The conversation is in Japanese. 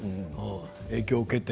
影響を受けて。